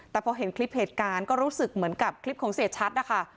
แต่พอเห็นคลิปเหตุการณ์ก็รู้สึกเหมือนกับคลิปของเสียชัดนะคะ